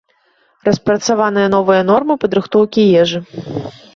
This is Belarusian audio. Распрацаваныя новыя нормы падрыхтоўкі ежы.